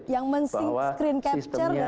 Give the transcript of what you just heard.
bahwa sistemnya sempurna